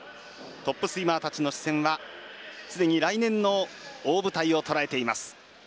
トップスイマーたちの視線はすでに来年の大舞台を捉えています。